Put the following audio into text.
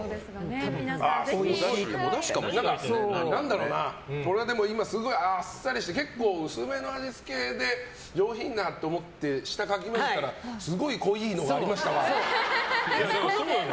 何だろうなすごいあっさりして結構、薄めの味付けで上品だと思って下をかきまぜたらすごい濃いのがありましたわ。